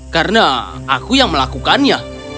karena aku yang melakukannya